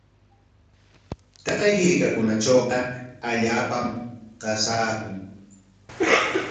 Taqay hirkatrawqa allaapam qasaakun.